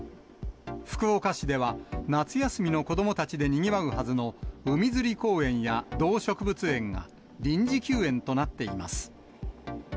福岡市では、夏休みの子どもたちでにぎわうはずの海づり公園や動植物園が、臨時休園となっています。